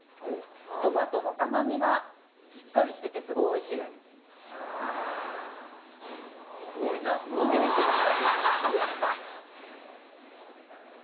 トマトの甘みがしっかりしててスゴイおいしいですいただきます